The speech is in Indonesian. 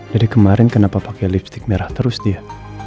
jadi kemarin kenapa pakai lipstick merah terus dia